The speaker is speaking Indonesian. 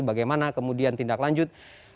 bagaimana kemudian tindak lanjut